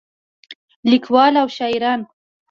لیکولان او شاعران